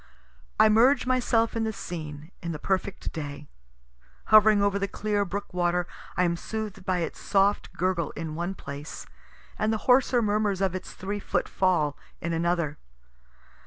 I merge myself in the scene, in the perfect day. Hovering over the clear brook water, I am sooth'd by its soft gurgle in one place, and the hoarser murmurs of its three foot fall in another.